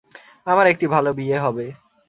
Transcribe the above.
আমার একটি ভালো বিয়ে হবে।